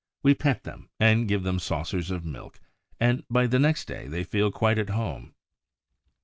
We pet them and give them saucers of milk, and by the next day they feel quite at home.